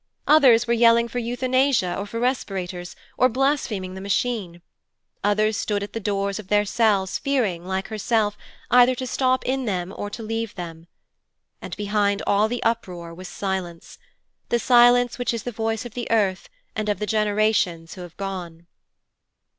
Others were yelling for Euthanasia or for respirators, or blaspheming the Machine. Others stood at the doors of their cells fearing, like herself, either to stop in them or to leave them. And behind all the uproar was silence the silence which is the voice of the earth and of the generations who have gone.